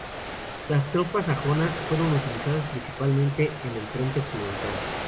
Las tropas sajonas fueron utilizadas principalmente en el frente occidental.